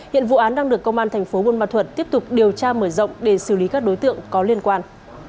hiện vụ án đang được công an thành phố buôn ma thuật tiếp tục điều tra mở rộng để xử lý các đối tượng có liên quan